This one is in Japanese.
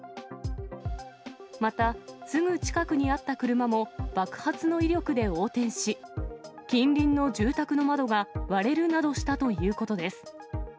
また、すぐ近くにあった車も爆発の威力で横転し、近隣の住宅の窓が割れるなどしたということです。